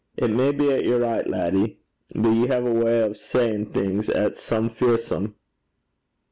'It may be 'at ye're richt, laddie; but ye hae a way o' sayin' things 'at 's some fearsome.'